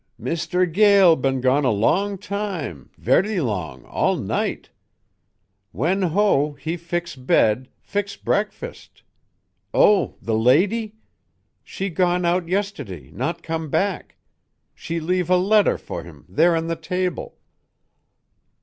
"Mister Gael been gone a long time, velly long, all night. Wen Ho, he fix bed, fix breakfast oh, the lady? She gone out yestiddy, not come back. She leave a letter for him, there on the table."